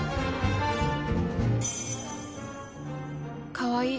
かわいい。